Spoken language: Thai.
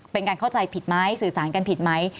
เป็นการเข้าใจผิดไหมสื่อสารกันผิดไหม